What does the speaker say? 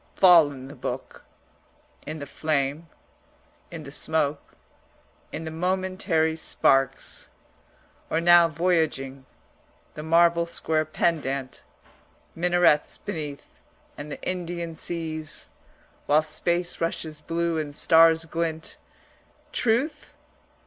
Fallen the book; in the flame, in the smoke, in the momentary sparks or now voyaging, the marble square pendant, minarets beneath and the Indian seas, while space rushes blue and stars glint truth?